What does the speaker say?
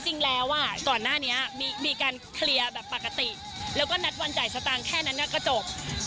จริงแล้วก่อนหน้านี้มีการเคลียร์แบบปกติแล้วก็นัดวันจ่ายสตางค์แค่นั้นก็จบ